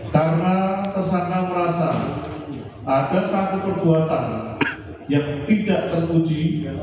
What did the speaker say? karena tersangka merasa ada satu perbuatan yang tidak terkuji